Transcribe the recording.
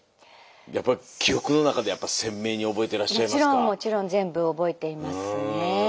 もちろんもちろん全部覚えていますね。